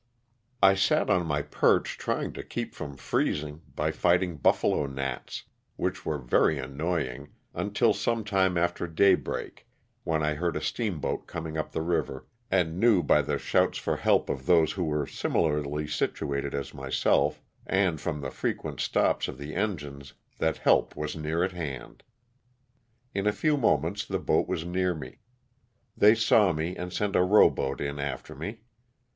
I sat on my perch trying to keep from freezing by fighting buffalo gnats, which were very annoying, until some time after daybreak when 1 heard a steam boat coming up the river and knew by the shouts for help of those who were similarly situated as myself, and from the frequent stops of the engines that help LOSS OF THE SULTANA. 131 was near at hand. In a few moments the boat was near me. They saw me and sent a row boat in after me.